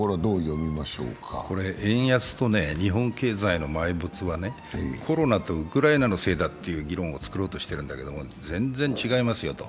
これ円安と日本経済の埋没はコロナとウクライナのせいだという議論を作ろうとしているけど全然違いますよと。